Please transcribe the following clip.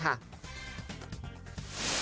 คือเจอคนนี้ทำมาเป็นปีแล้วค่ะ